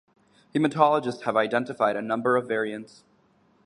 Haematologists have identified a number of variants.